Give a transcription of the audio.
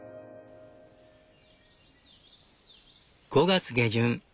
５月下旬。